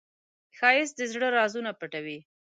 ښایست د زړه رازونه پټوي